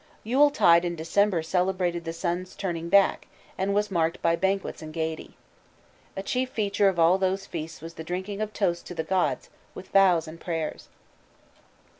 Yule tide in December celebrated the sun's turning back, and was marked by banquets and gayety. A chief feature of all these feasts was the drinking of toasts to the gods, with vows and prayers.